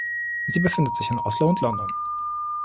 Sie befindet sich in Oslo und London.